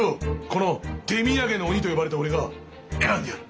この手土産の鬼と呼ばれた俺が選んでやる！